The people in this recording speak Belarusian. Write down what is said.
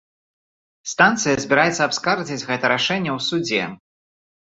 Станцыя збіраецца абскардзіць гэта рашэнне ў судзе.